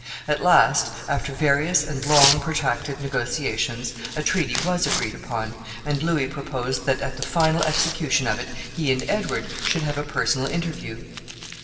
At last, after various and long protracted negotiations, a treaty was agreed upon, and Louis proposed that at the final execution of it he and Edward should have a personal interview.